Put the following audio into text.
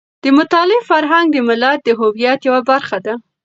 د مطالعې فرهنګ د ملت د هویت یوه برخه ده.